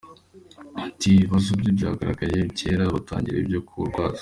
Ati “Ibibazo bye byagaragaye kera, batangira ibyo kurwaza.